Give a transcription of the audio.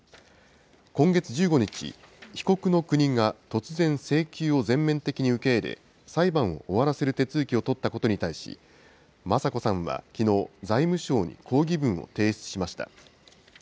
今月１５日、被告の国が突然、請求を全面的に受け入れ、裁判を終わらせる手続きを取ったことに対し、雅子さんはきのう、財務省に抗議文を提出しました。